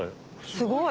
すごい。